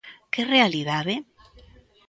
Que realidade?